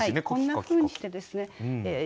こんなふうにしてですね